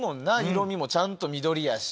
色味もちゃんと緑やし。